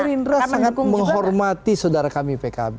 gelinda sangat menghormati sodara kami pkb